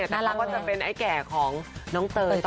น่ารักเลยแต่เขาก็จะเป็นไอ้แก่ของน้องเต๋อต่อไป